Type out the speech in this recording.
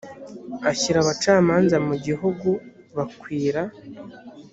ashyira abacamanza mu gihugu bakwira